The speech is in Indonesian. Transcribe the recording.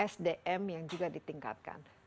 sdm yang juga ditingkatkan